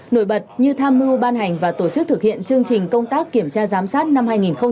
nổi bật như tham mưu ban hành và tổ chức thực hiện chương trình công tác kiểm tra giám sát năm hai nghìn hai mươi